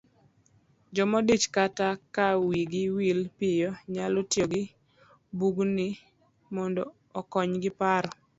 Jomodich kata ma wigi wil piyo, nyalo tiyo gi bugni mondo okonyji paro